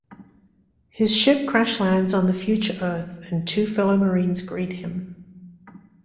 His ship crash lands on the future Earth and two fellow marines greet him.